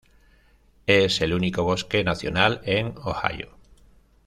Es el único bosque nacional en Ohio.